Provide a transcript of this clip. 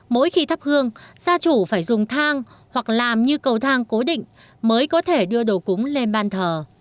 mỗi khi thắp hương gia chủ phải dùng thang hoặc làm như cầu thang cố định mới có thể đưa đồ cúng lên ban thờ